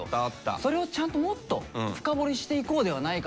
それをちゃんともっと深掘りしていこうではないかという。